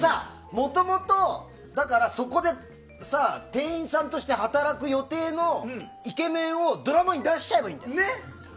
もともと、そこで店員さんとして働く予定のイケメンをドラマに出しちゃえばいいんだ。